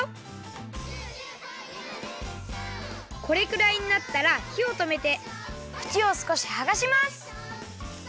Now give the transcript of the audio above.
これくらいになったらひをとめてふちをすこしはがします！